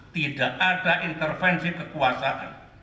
tidak ada intervensi kekuasaan